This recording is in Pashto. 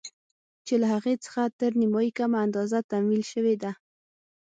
چې له هغې څخه تر نيمايي کمه اندازه تمويل شوې ده.